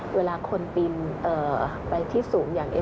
เวลาคนปีนไปที่สูงอย่างนี้